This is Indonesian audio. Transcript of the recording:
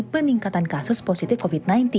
peningkatan kasus positif covid sembilan belas